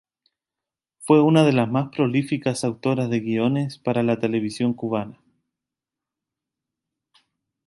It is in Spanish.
Fue una de las más prolíficas autoras de guiones para la televisión cubana.